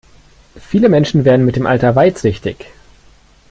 Viele Menschen werden mit dem Alter weitsichtig.